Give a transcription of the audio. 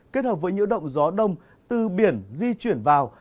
kết hợp với nhiễu động gió đông từ biển di chuyển vào